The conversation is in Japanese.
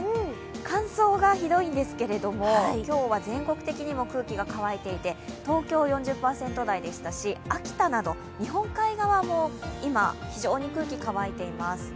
乾燥がひどいんですけれども、今日は全国的にも空気が乾いていて、東京４０％台でしたし、秋田など日本海側も今、非常に空気が乾いています。